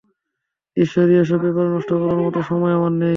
ঈশ্বরী, এসব ব্যাপারে নষ্ট করার মত সময় আমার নেই।